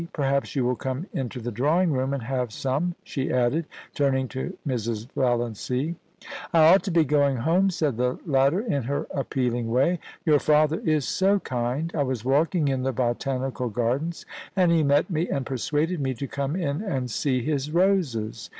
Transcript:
Perhaps you will come into the drawing room and have some,' she added, turning to Mrs. Valiancy. * I ought to be going home,' said the latter, in her appeal ing way. * Your father is so kind ; I was walking in the Botanical Gardens, and he met me and persuaded me to come in and see his roses.